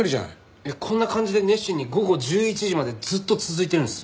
こんな感じで熱心に午後１１時までずっと続いてるんです。